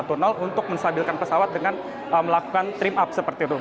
untuk menstabilkan pesawat dengan melakukan trim up seperti itu